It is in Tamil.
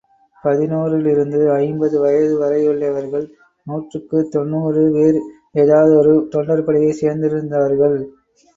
பதினோறிலிருந்து ஐம்பது வயது வரையுள்ளவர்கள் நூற்றுக்குத் தொண்ணூறு பேர் ஏதாவதொரு தொண்டர்படையைச் சேர்ந்திருந்தார்கள்.